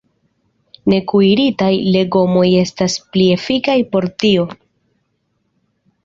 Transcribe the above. Nekuiritaj legomoj estas pli efikaj por tio.